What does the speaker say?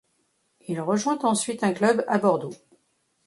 Il rejoint ensuite un club à Bordeaux.